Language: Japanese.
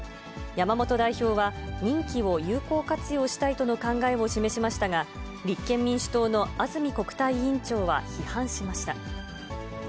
山本代表は、任期を有効活用したいとの考えを示しましたが、立憲民主党の安住国対委員長は、批判しました。